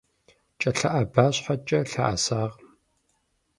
КӀэлъыӀэба щхьэкӀэ лъэӀэсакъым.